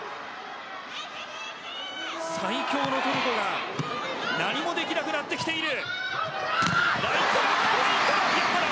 最強のトルコが何もできなくなってきている。